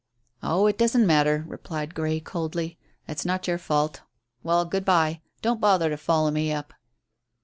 "Oh, it doesn't matter," replied Grey coldly. "It's not your fault. Well, good bye. Don't bother to follow me up."